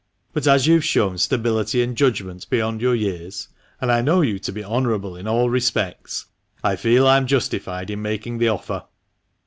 But as you have shown stability and judgment beyond your years, and I know you to be honourable in all respects, I feel I am justified in making the offer."